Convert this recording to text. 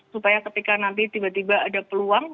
supaya ketika nanti tiba tiba ada peluang